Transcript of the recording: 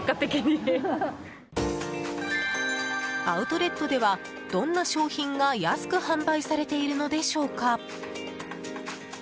アウトレットではどんな商品が安く販売されているのでしょうか。